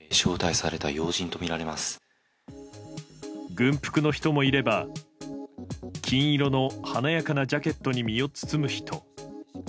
軍服の人もいれば金色の華やかなジャケットに身を包む人。